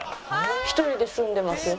１人で住んでますよ。